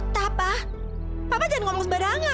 tenang tenang ya